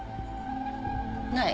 ない。